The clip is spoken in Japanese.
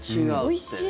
おいしい。